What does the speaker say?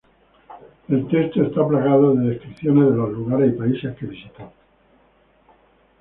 El texto está plagado de descripciones de los lugares y países que visitó.